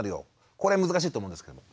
これ難しいと思うんですけども。